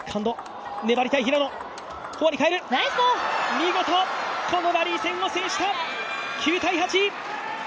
見事このラリー戦を制した！